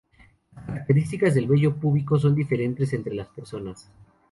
Las características del vello púbico son diferentes entre las personas.